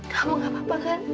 kamu gak apa apa kan